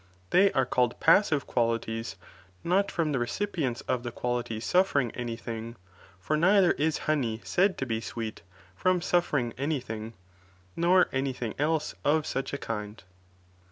They are called passive qualities,' not from the re cipients of the qualities suffering anything, for neither is honey said to he sweet from suffering any thing, nor any thing elseof such a kind.